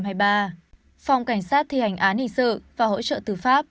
phòng cảnh sát thi hành án hình sự và hỗ trợ tư pháp